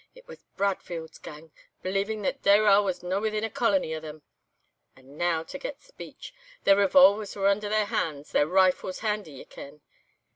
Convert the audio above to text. It was Bradfield's gang, believing that Dayrell was no within a colony o' them. And now to get speech. Their revolvers were under their hands, their rifles handy ye ken.